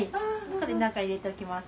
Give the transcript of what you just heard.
これ中入れておきます。